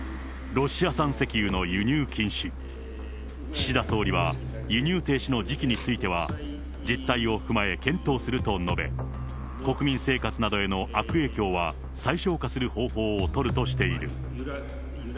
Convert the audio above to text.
ロシア産石油の輸入禁止、岸田総理は輸入停止の時期については、実態を踏まえ検討すると述べ、国民生活などへの悪影響は最小化する方法を取るとしている。